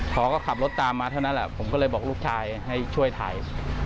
พอก็ขับรถตามมาเท่านั้นแหละผมก็เลยบอกลูกชายให้ช่วยถ่าย